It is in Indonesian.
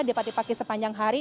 dipakai sepanjang hari